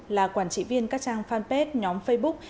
là quản trị viên các trang fanpage nhóm facebook